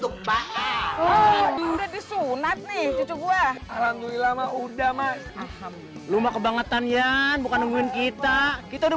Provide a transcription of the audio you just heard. udah disunat nih cucu gua udah mah rumah kebangetan ya bukan mungkin kita kita udah